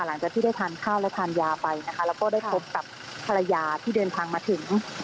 หลังจากที่ได้ทานข้าวและทานยาไปนะคะแล้วก็ได้พบกับภรรยาที่เดินทางมาถึง